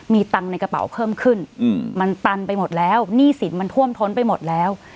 มีตังค์ในกระเป๋าเพิ่มขึ้นมันตันไปหมดแล้วหนี้สินมันท่วมท้นไปหมดแล้ว